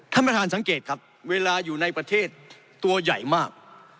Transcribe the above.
ท่านประธานสังเกตครับเวลาอยู่ในประเทศตัวใหญ่มาก